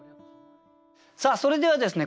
さあそれではですね